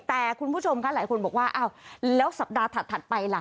แต่คุณผู้ชมคะหลายคนบอกว่าอ้าวแล้วสัปดาห์ถัดไปล่ะ